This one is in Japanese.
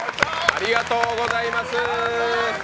ありがとうございます。